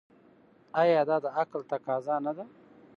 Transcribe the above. آیا دا د عقل تقاضا نه ده؟